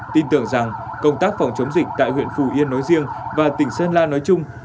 tin tưởng rằng công tác phòng chống dịch tại huyện phù yên nói riêng và tỉnh sơn la nói chung